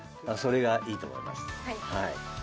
それがいいと思います。